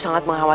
anda tidak peka